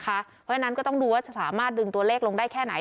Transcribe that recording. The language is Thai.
เพราะฉะนั้นก็ต้องดูว่าจะสามารถดึงตัวเลขลงได้แค่ไหน